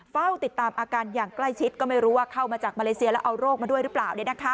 เฝ้าติดตามอาการอย่างใกล้ชิดก็ไม่รู้ว่าเข้ามาจากมาเลเซียแล้วเอาโรคมาด้วยหรือเปล่า